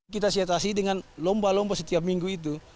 kita siatasi dengan lomba lomba setiap minggu itu